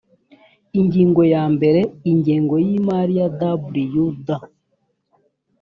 ingingo ya mbere ingengo y imari ya wda